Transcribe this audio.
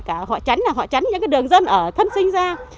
cả họ chắn những đường dân ở thân sinh ra